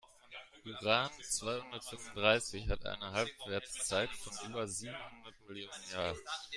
Uran-zweihundertfünfunddreißig hat eine Halbwertszeit von über siebenhundert Millionen Jahren.